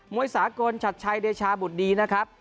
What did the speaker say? วยสากลชัดชัยเดชาบุตรดีนะครับ